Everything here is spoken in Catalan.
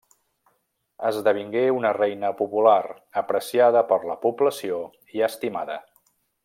Esdevingué una reina popular, apreciada per la població i estimada.